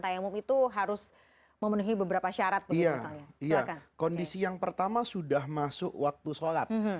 kondisi yang pertama sudah masuk waktu sholat